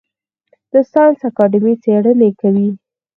د ساینس اکاډمي څیړنې کوي